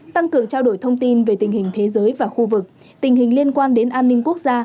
tăng cường trao đổi thông tin về tình hình thế giới và khu vực tình hình liên quan đến an ninh quốc gia